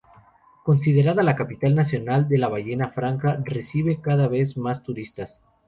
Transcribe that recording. Considerada la capital nacional de la ballena franca, recibe cada vez más turistas.